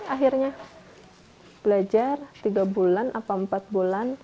akhirnya belajar tiga bulan atau empat bulan